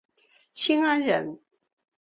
新安人。